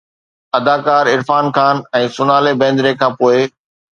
اداڪار عرفان خان ۽ سونالي بيندري کان پوءِ